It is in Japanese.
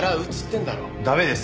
駄目です。